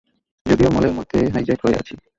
যদিও মলের মধ্যে হাইজ্যাক হয়ে আছি।